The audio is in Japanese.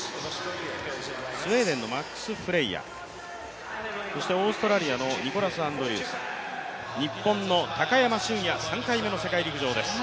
スウェーデンのマックス・フレイヤオーストラリアのニコラス・アンドリュース、日本の高山峻野３回目の世陸陸上です。